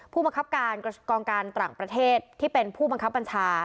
ผู้บังคับการกองการต่างประเทศที่เป็นผู้บังคับบัญชา